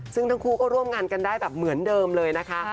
ซึ่งทั้งคู่ก็ร่วมงานกันได้แบบเหมือนเดิมเลยนะคะ